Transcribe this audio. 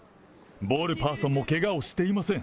ボールパーソンもけがをしていません。